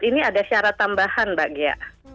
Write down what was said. ini ada syarat tambahan mbak ghea